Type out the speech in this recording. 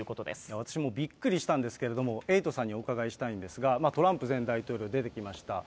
私もびっくりしたんですけれども、エイトさんにお伺いしたいんですが、トランプ前大統領出てきました。